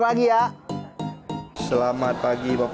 baru lihat lihat aja sih mas